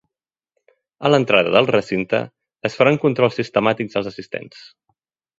A l’entrada del recinte es faran controls sistemàtics als assistents.